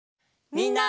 みんな！